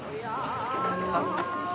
あっ。